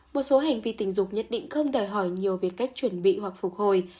một số hành vi tình dục nhất định không đòi hỏi nhiều về cách chuẩn bị hoặc phục hồi